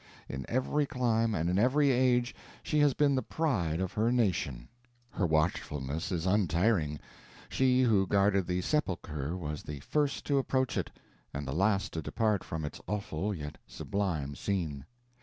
In every clime, and in every age, she has been the pride of her nation. Her watchfulness is untiring; she who guarded the sepulcher was the first to approach it, and the last to depart from its awful yet sublime scene.